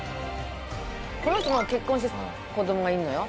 この人も結婚して子供がいるのよ。